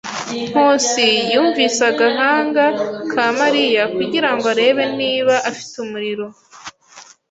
Nkusi yumvise agahanga ka Mariya kugirango arebe niba afite umuriro.